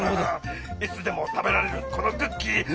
いつでも食べられるこのクッキー！